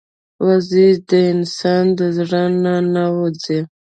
وزې د انسان د زړه نه نه وځي